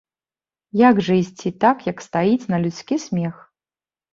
Як жа ісці так, як стаіць, на людскі смех?